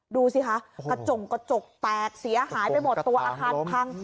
ดูสิคะกระจงกระจกแตกเสียหายไปหมดตัวอาคารพัง